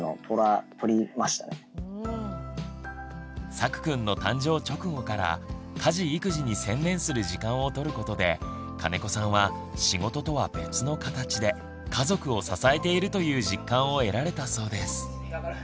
さくくんの誕生直後から家事育児に専念する時間を取ることで金子さんは仕事とは別の形で家族を支えているという実感を得られたそうです。